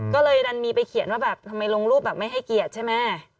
ก็เลยดันมีไปเขียนว่าแบบทำไมลงรูปแบบไม่ให้เกียรติใช่ไหม